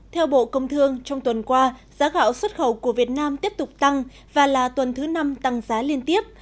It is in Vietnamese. theo bộ công thương trong tuần qua giá gạo xuất khẩu của việt nam tiếp tục tăng và là tuần thứ năm tăng giá liên tiếp